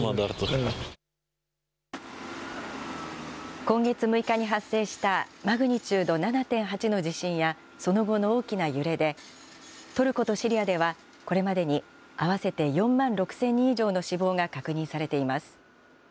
今月６日に発生したマグニチュード７．８の地震やその後の大きな揺れで、トルコとシリアではこれまでに合わせて４万６０００人以上の死亡が確認されています。